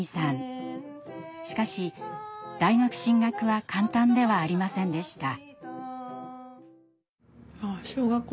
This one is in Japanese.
しかし大学進学は簡単ではありませんでした。